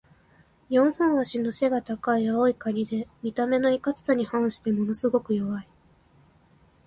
四本脚の背が高い青いカニで、見た目のいかつさに反してものすごく弱い。